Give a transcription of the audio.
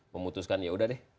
memutuskan yaudah deh